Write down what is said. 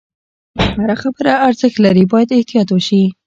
هره خبره ارزښت لري، باید احتیاط وشي.